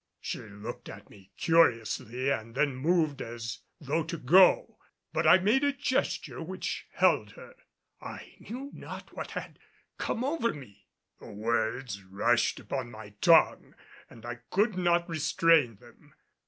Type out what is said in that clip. She looked at me curiously and then moved as though to go, but I made a gesture which held her. I knew not what had come over me. The words rushed upon my tongue and I could not restrain them.